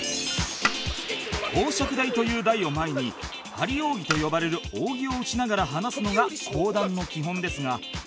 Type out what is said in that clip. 講釈台という台を前に張り扇と呼ばれる扇を打ちながら話すのが講談の基本ですが